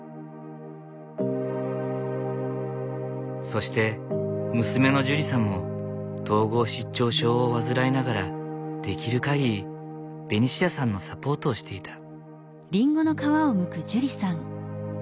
そして娘のジュリさんも統合失調症を患いながらできる限りベニシアさんのサポートをしていた。